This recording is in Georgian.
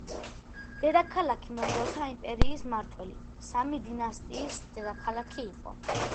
ქალაქი მოგოლთა იმპერიის მმართველი სამი დინასტიის დედაქალაქი იყო.